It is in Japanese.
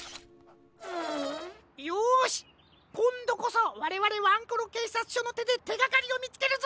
よしこんどこそわれわれワンコロけいさつしょのてでてがかりをみつけるぞ！